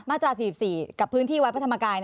ตรา๔๔กับพื้นที่วัดพระธรรมกาย